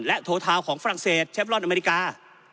โททาวน์ของฝรั่งเศสเชฟรอนอเมริกา